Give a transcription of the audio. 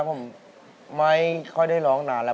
ผมไม่ค่อยได้ร้องนานแล้ว